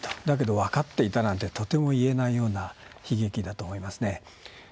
だけど、分かっていたなんてとても言えないような悲劇だと思いますね。